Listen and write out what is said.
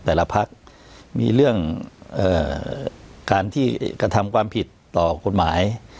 แต่ละพักมีเรื่องการที่กระทำความผิดต่อกฎหมาย